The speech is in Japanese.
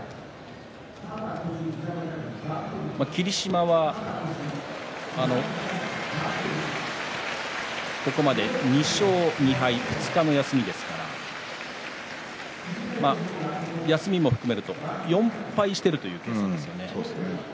霧島は、ここまで２勝２敗２日の休みですから休みも含めると４敗しているという計算ですよね。